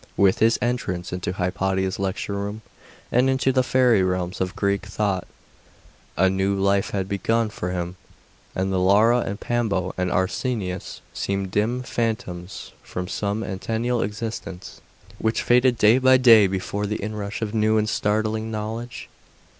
With his entrance into Hypatia's lecture room, and into the fairy realms of Greek thought, a new life had begun for him; and the Laura, and Pambo, and Arsenius, seemed dim phantoms from some antenatal existence, which faded day by day before the inrush of new and startling knowledge.